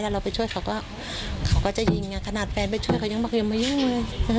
เราไปช่วยเขาก็จะยิงขนาดแฟนไปช่วยเขายังบอกอย่ามายุ่งเลย